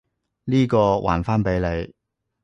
呢個，還返畀你！